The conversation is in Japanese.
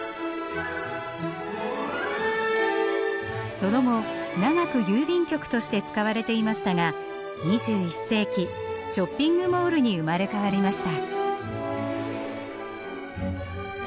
その後長く郵便局として使われていましたが２１世紀ショッピングモールに生まれ変わりました。